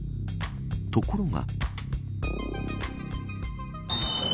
ところが。